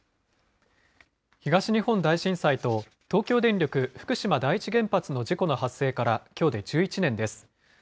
東日本大震災と東京電力福島第一原発の事故の発生からきょうで１１年です。